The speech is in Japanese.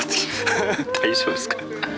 大丈夫っすか？